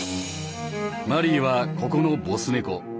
マリーはここのボス猫。